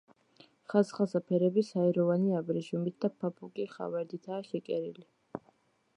ხასხასა ფერების ჰაეროვანი აბრეშუმით და ფაფუკი ხავერდითაა შეკერილი.